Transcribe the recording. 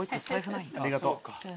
ありがとう。